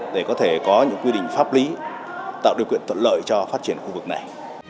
để có thể có những quy định pháp lý tạo điều kiện thuận lợi cho phát triển khu vực này